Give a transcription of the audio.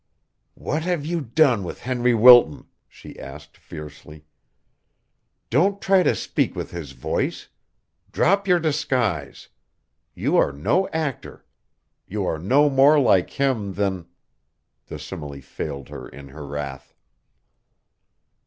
"What have you done with Henry Wilton?" she asked fiercely. "Don't try to speak with his voice. Drop your disguise. You are no actor. You are no more like him than " The simile failed her in her wrath.